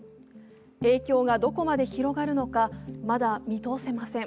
影響がどこまで広がるのかまだ見通せません。